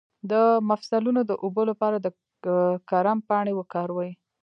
د مفصلونو د اوبو لپاره د کرم پاڼې وکاروئ